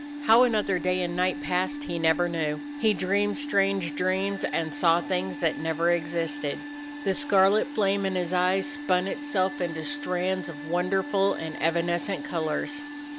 How another day and night passed he never knew. He dreamed strange dreams and saw things that never existed. The scarlet flame in his eyes spun itself into strands of wonder ful and evanescent colors.